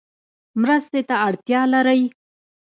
مرستې ته اړتیا لری؟